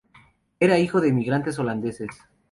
Era hijo de emigrantes holandeses.